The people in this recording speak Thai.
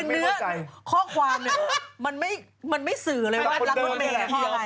นี่ข้อความมันไม่สื่อเลยว่ารักรสเมล์ทำยังไง